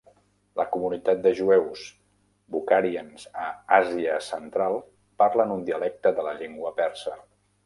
La comunitat de jueus Bukharians a Asia Central parlen un dialecte de la llengua persa.